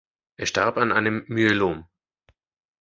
Er starb an einem Myelom.